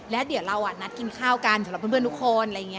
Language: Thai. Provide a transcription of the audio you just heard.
แล้วเดี๋ยวเรานัดกินข้าวกันสำหรับเพื่อนทุกคนอะไรอย่างนี้